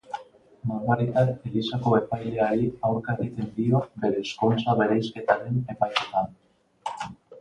Margaritak elizako epaileari aurka egiten dio bere ezkontza-bereizketaren epaiketan.